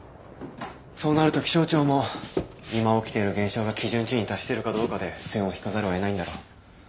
そうなると気象庁も今起きている現象が基準値に達してるかどうかで線を引かざるをえないんだろう。